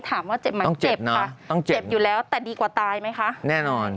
ถามว่าเจ็บไหมเจ็บค่ะต้องเจ็บอยู่แล้วแต่ดีกว่าตายไหมคะแน่นอน